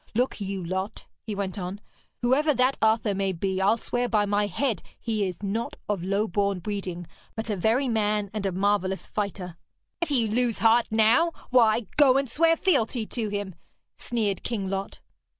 Look you, Lot,' he went on, 'whoever that Arthur may be, I'll swear by my head he is not of low born breeding, but a very man and a marvellous fighter.' 'If you lose heart now, why, go and swear fealty to him!' sneered King Lot.